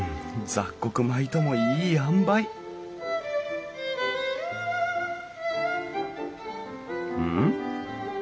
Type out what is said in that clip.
雑穀米ともいいあんばいん？